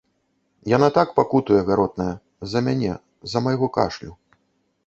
Яна так пакутуе, гаротная, з-за мяне, з-за майго кашлю.